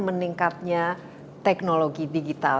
meningkatnya teknologi digital